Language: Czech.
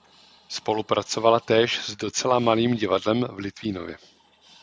Spolupracovala též s "Docela malým divadlem" v Litvínově.